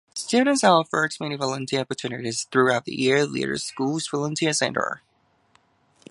Students are offered many volunteer opportunities throughout the year via the school's Volunteer Center.